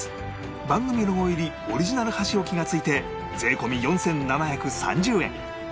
番組ロゴ入りオリジナル箸置きが付いて税込４７３０円